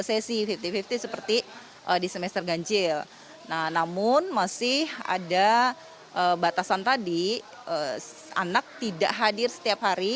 sesi lima puluh lima puluh seperti di semester ganjil nah namun masih ada batasan tadi anak tidak hadir setiap hari